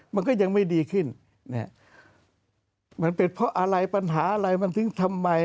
มันก็ยังไม่ดีขึ้นมันเป็นเพราะอะไรปัญหาอะไรมันถึงทำไม